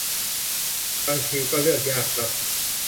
บางทีก็เลือกยากครับ